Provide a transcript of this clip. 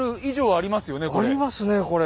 ありますねこれ。